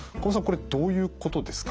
これどういうことですか？